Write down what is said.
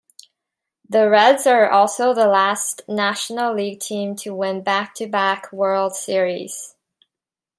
The Reds are also the last National League team to win back-to-back World Series.